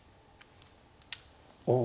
おお。